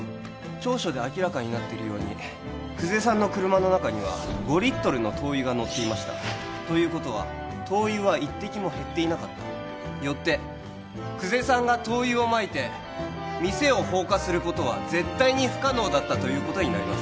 調書で明らかになってるように久世さんの車の中には５リットルの灯油が載っていましたということは灯油は一滴も減っていなかったよって久世さんが灯油をまいて店を放火することは絶対に不可能だったということになります